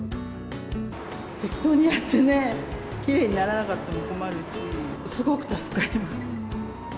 適当にやってね、きれいにならなかったら困るし、すごく助かります。